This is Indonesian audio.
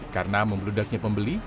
karena membeludaknya pembeli